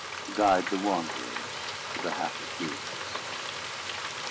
To guide the wanderers to the happy fields."